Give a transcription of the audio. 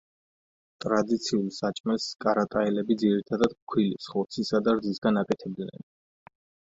ტრადიციულ საჭმელს კარატაელები ძირითადად ფქვილის, ხორცისა და რძისაგან აკეთებდნენ.